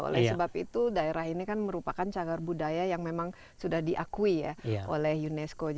oleh sebab itu daerah ini kan merupakan cagar budaya yang memang sudah diakui ya oleh unesco